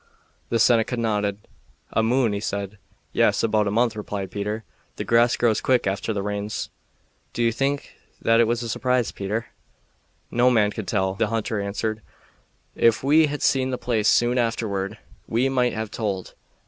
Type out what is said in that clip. The Seneca nodded. "A moon," he said. "Yes, about a month," replied Peter. "The grass grows quick after the rains." "Do you think that it was a surprise, Peter?" "No man can tell," the hunter answered. "If we had seen the place soon afterward we might have told.